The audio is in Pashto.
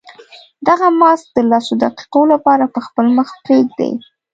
دغه ماسک د لسو دقیقو لپاره په خپل مخ پرېږدئ.